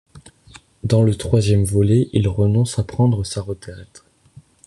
Dans le troisième volet, il renonce à prendre sa retraite.